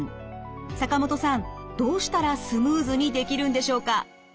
坂本さんどうしたらスムーズにできるんでしょうか？